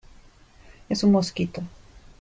es un mosquito.